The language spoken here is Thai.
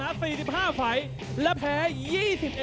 สวัสดีครับทายุรัฐมวยไทยไฟตเตอร์